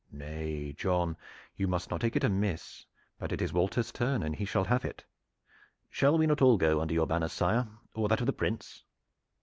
"Nay, John, you must not take it amiss; but it is Walter's turn, and he shall have it." "Shall we not all go under your banner, sire, or that of the Prince?"